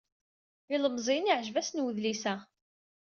Ilemẓiyen yeɛjeb-asen wedlis-a.